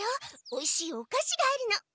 おいしいおかしがあるの。